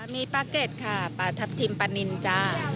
มีปลาเกร็ดค่ะปลาทับทิมปลานินจ้า